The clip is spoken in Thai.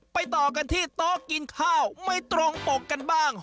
ต่อกันที่โต๊ะกินข้าวไม่ตรงปกกันบ้าง